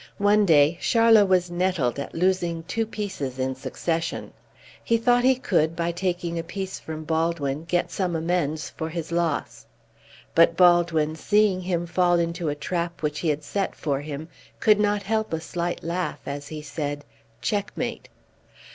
One day Charlot was nettled at losing two pieces in succession; he thought he could, by taking a piece from Baldwin, get some amends for his loss; but Baldwin, seeing him fall into a trap which he had set for him, could not help a slight laugh, as he said, "Check mate."